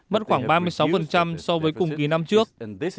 mất khoảng ba mươi sáu so với cùng kỳ năm trước